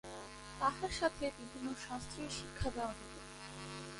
তাহার সাথে বিভিন্ন শাস্ত্রীয় শিক্ষা দেওয়া হত।